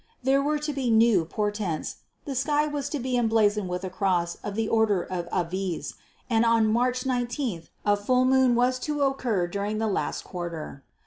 There were to be new portents; the sky was to be emblazoned with a cross of the Order of Aviz, and on March 19th a full moon was to occur during the last quarter.